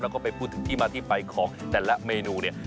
แล้วก็ไปพูดถึงที่มาที่ไปของแต่ละเมนูเนี่ย